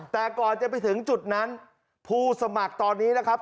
แต่ก่อนจะไปถึงจุดนั้นผู้สมัครตอนนี้นะครับ